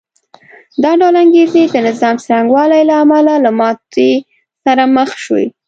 دا ډول انګېزې د نظام څرنګوالي له امله له ماتې سره مخ شوې